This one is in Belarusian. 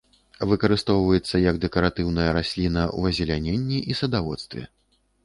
Выкарыстоўваецца як дэкаратыўная расліна ў азеляненні і садаводстве.